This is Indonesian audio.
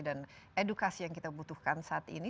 dan edukasi yang kita butuhkan saat ini